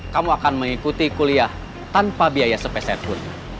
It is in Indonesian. kamu akan mengikuti kuliah tanpa biaya sepeserpun